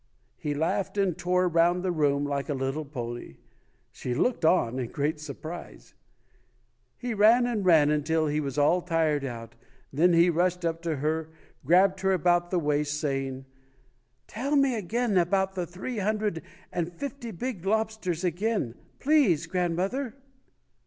He laughed and tore around the room like a little pony. She looked on in great surprise. He ran and ran until he was all tired out, then he rushed up to her, grabbed her about the waist, saying, "Tell me about the three hundred and fifty big lobsters again, please, grandmother".